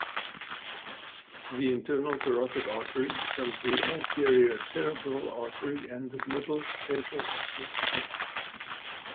The internal carotid artery becomes the anterior cerebral artery and the middle central artery.